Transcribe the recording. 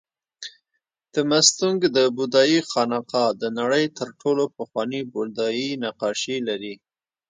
د مستونګ د بودایي خانقاه د نړۍ تر ټولو پخواني بودایي نقاشي لري